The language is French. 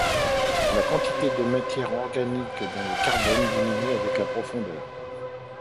La quantité de matière organique, donc de carbone, diminue avec la profondeur.